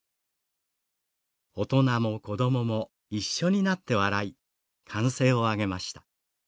大人も子供も一緒になって笑い歓声を上げました。